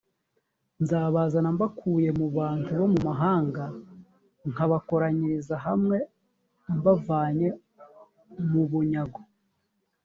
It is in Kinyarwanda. nzabazana mbakuye mu bantu bo mu mahanga nkabakoranyiriza hamwe mbavanye mu bunyago